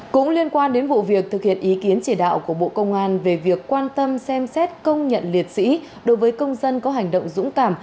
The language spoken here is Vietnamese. cũng liên quan đến vụ việc thực hiện ý kiến chỉ đạo của bộ công an về việc quan tâm xem xét công nhận liệt sĩ đối với công dân có hành động dũng cảm